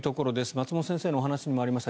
松本先生のお話にもありました